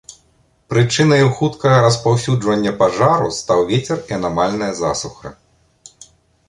Прычынаю хуткага распаўсюджвання пажару стаў вецер і анамальная засуха.